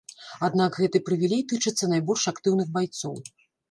Аднак гэты прывілей тычыцца найбольш актыўных байцоў.